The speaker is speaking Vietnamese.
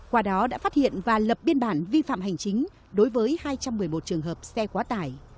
qua đó đã phát hiện và lập biên bản vi phạm hành chính đối với hai trăm một mươi một trường hợp xe quá tải